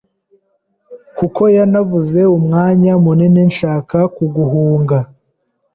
kuko yanavuze umwanya munini, nshaka guhunga